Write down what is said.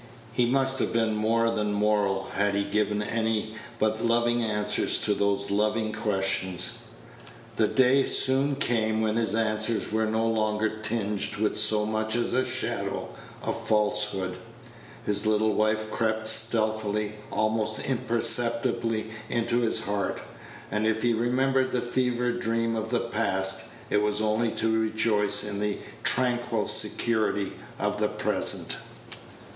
He must have been more than moral had he given any but loving answers to those loving questions. The day soon came when his answers were no longer tinged with so much as the shadow of falsehood. His little wife crept stealthily, almost imperceptibly into his heart; and if he remembered the fever dream of the past, it was only to rejoice in the tranquil security of the present.